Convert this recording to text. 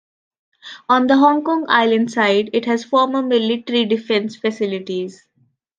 On the Hong Kong Island side, it has former military defence facilities.